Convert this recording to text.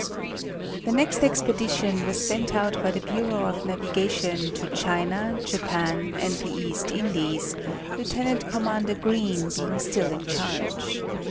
The next expedition was sent out by the Bureau of Navigation to China, Japan and the East Indies, Lieut. Com. Green being still in charge.